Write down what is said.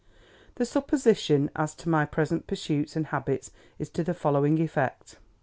The supposition as to my present pursuits and habits is to the following effect.